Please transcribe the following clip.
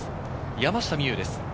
山下美夢有です。